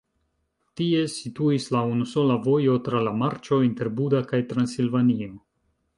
Tie situis la unusola vojo tra la marĉo inter Buda kaj Transilvanio.